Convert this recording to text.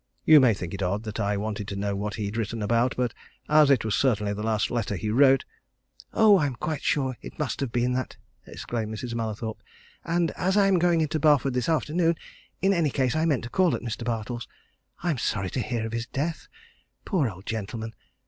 You may think it odd that I wanted to know what he'd written about, but as it was certainly the last letter he wrote " "Oh, I'm quite sure it must have been that!" exclaimed Mrs. Mallathorpe. "And as I am going into Barford this afternoon, in any case, I meant to call at Mr. Bartle's. I'm sorry to hear of his death, poor old gentleman!